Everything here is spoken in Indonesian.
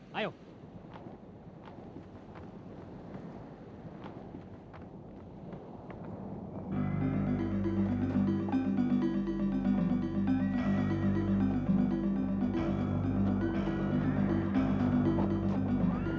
betul mereka dari kuntala